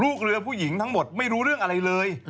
ลูกเรือผู้หญิงทั้งหมดไม่รู้เรื่องอะไรเลย